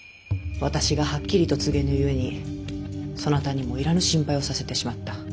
私がはっきりと告げぬゆえにそなたにもいらぬ心配をさせてしまった。